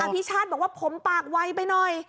อ๋ออภิชาติบอกว่าผมปากวัยไปหน่อย